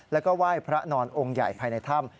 แล้วก็ไหว้พระนอนองค์ใหญ่ภายในถ้ำ